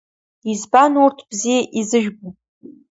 Избан урҭ ус бзиа изыжәбо?